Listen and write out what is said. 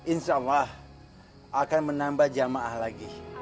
insya allah akan menambah jamaah lagi